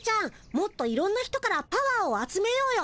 もっといろんな人からパワーをあつめようよ。